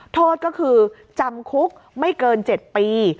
โทษก็คือจำคุกไม่เกิน๗ปี